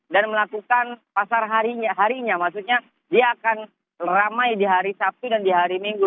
dan melakukan pasar harinya maksudnya dia akan ramai di hari sabtu dan di hari minggu